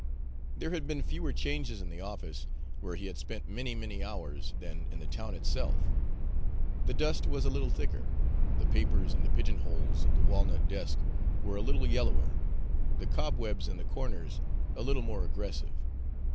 There had been fewer changes in the office, where he had spent many, many hours, than in the town itself. The dust was a little thicker, the papers in the pigeon holes of the walnut desk were a little yellower, the cobwebs in the corners a little more aggressive.